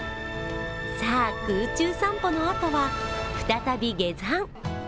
さあ、空中散歩のあとは再び下山。